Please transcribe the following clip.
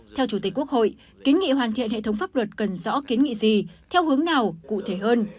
theo chủ tịch quốc hội kiến nghị hoàn thiện hệ thống pháp luật cần rõ kiến nghị gì theo hướng nào cụ thể hơn